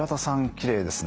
きれいですね。